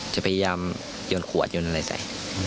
จะพยายามยนต์ขู่อัดยนต์อะไรใส่